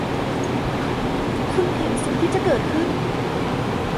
คุณเห็นสิ่งที่จะเกิดขึ้น